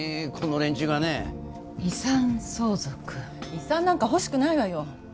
遺産なんか欲しくないわよ。